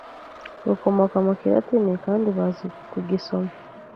rukomoka mu kilatini kandi bazi kugisoma